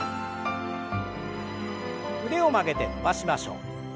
腕を曲げて伸ばしましょう。